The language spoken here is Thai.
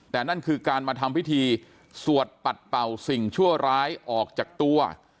แต่นั่นคือการมาทำพิธีสวดปัดเป่าสิ่งชั่วร้ายออกจากตัว